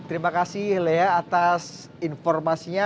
terima kasih lea atas informasinya